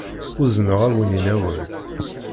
Uzneɣ-awen-in awal.